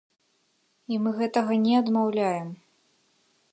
І мы гэтага не адмаўляем.